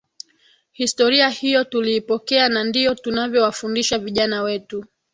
Historia hiyo tuliipokea na ndiyo tunavyowafundisha vijana wetu